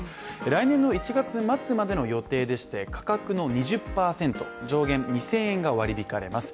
来年の１月末までの予定でして、価格の２０％上限２０００円が割り引かれます。